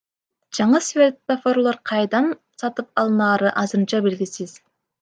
Жаңы светофорлор кайдан сатып алынаары азырынча белгисиз.